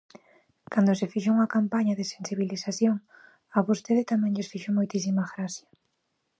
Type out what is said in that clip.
Cando se fixo unha campaña de sensibilización, a vostedes tamén lles fixo moitísima graza.